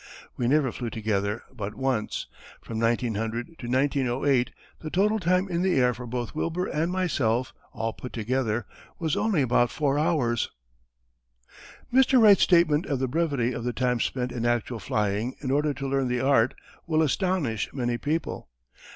We never flew together but once. From 1900 to 1908 the total time in the air for both Wilbur and myself, all put together, was only about four hours." Mr. Wright's statement of the brevity of the time spent in actual flying in order to learn the art will astonish many people.